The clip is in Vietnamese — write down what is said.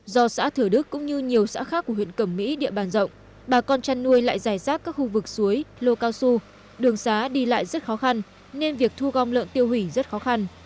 do xã thừa đức cũng như nhiều xã khác của huyện cẩm mỹ địa bàn rộng bà con chăn nuôi lại dài rác các khu vực suối lô cao su đường xá đi lại rất khó khăn nên việc thu gom lợn tiêu hủy rất khó khăn